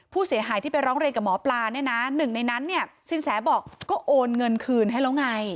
ผู้เสียหายที่ไปร้องเรียนกับหมอปลาเนี่ยนะหนึ่งในนั้นเนี่ยสินแสบอกก็โอนเงินคืนให้แล้วไง